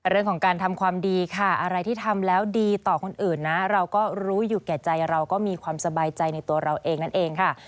เรื่องของการทำความดีค่ะอะไรที่ทำแล้วดีต่อคนอื่นนะ